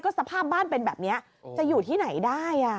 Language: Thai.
สภาพบ้านเป็นแบบนี้จะอยู่ที่ไหนได้